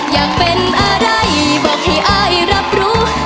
อยากเป็นอะไรบอกให้อายรับรู้